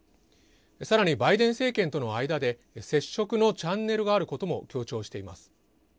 さらに、バイデン政権との間で接触のチャンネルがあることも強調しています。